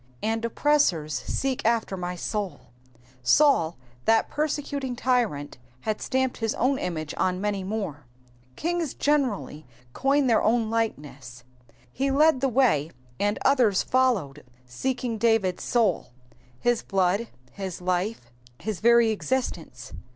^'' And oppressor $ seek after my muV^ 8aul, that persecuting tyrant, had stamped his own image on many more. Kings generally coin their own likeness. He led the way, and others followed seeking David^s soul, his blood, his life, his very existence.